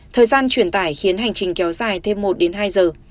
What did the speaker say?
thời gian chuyển tải khiến hành trình kéo dài thêm một đến hai giờ